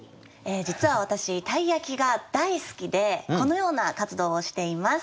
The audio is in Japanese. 実は私鯛焼が大好きでこのような活動をしています。